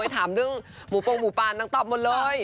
ถามเรื่องหมูโปรงหมูปานนางตอบหมดเลย